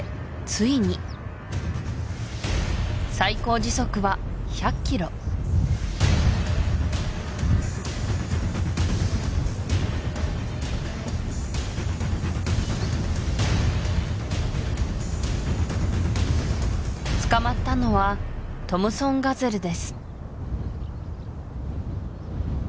ついに最高時速は１００ｋｍ捕まったのはトムソンガゼルです